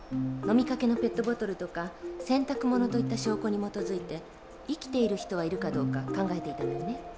飲みかけのペットボトルとか洗濯物といった証拠に基づいて生きている人はいるかどうか考えていたのよね？